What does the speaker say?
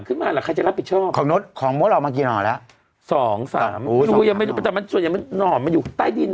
ขึ้นมาอ่ะใครจะรับผิดชอบของโมดเอามากี่น่อแล้ว๒๓แต่ส่วนใหญ่มันน่อมอยู่ใต้ดิน